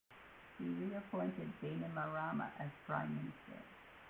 He reappointed Bainimarama as prime minister.